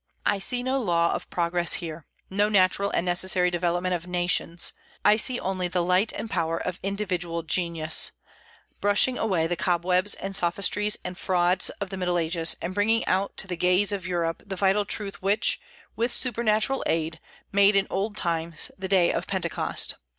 I see no law of progress here, no natural and necessary development of nations; I see only the light and power of individual genius, brushing away the cobwebs and sophistries and frauds of the Middle Ages, and bringing out to the gaze of Europe the vital truth which, with supernatural aid, made in old times the day of Pentecost.